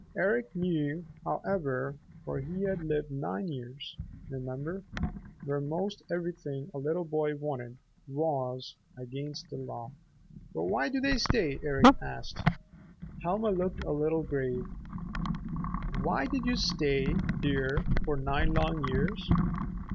Eric knew, however, for he had lived nine years, remember, where most everything a little boy wanted was against the law. "But why do they stay?" Eric asked. Helma looked a little grave. "Why did you stay, dear, for nine long years?"